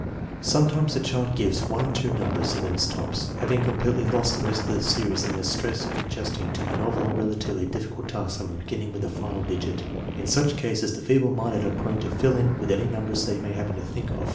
Sometimes the child gives one or two numbers and then stops, having completely lost the rest of the series in the stress of adjusting to the novel and relatively difficult task of beginning with the final digit. In such cases the feeble minded are prone to fill in with any numbers they may happen to think of.